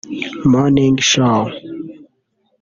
« Morning show »